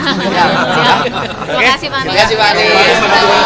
terima kasih pak nis